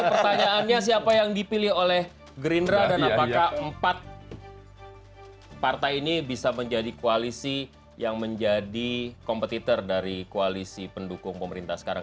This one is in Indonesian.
pertanyaannya siapa yang dipilih oleh gerindra dan apakah empat partai ini bisa menjadi koalisi yang menjadi kompetitor dari koalisi pendukung pemerintah sekarang